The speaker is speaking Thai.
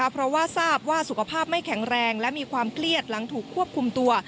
เพราะว่าทราบว่าสุขภาพไม่แข็งแรงและมีความเครียดหลังถูกควบคุมตัว